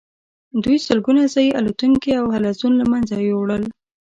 دوی سلګونه ځايي الوتونکي او حلزون له منځه یوړل.